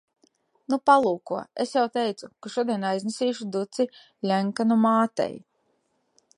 Nu, palūko. Es jau teicu, ka šodien aiznesīšu duci Ļenkanu mātei.